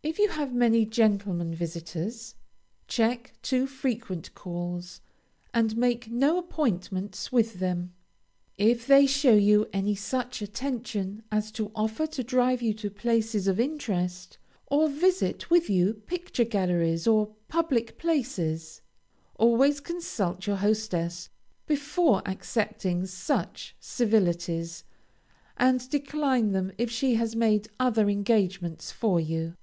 If you have many gentlemen visiters, check too frequent calls, and make no appointments with them. If they show you any such attention as to offer to drive you to places of interest, or visit with you picture galleries or public places, always consult your hostess before accepting such civilities, and decline them if she has made other engagements for you.